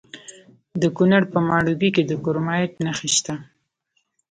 د کونړ په ماڼوګي کې د کرومایټ نښې شته.